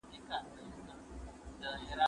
زه به د سبا لپاره د درسونو يادونه کړې وي!؟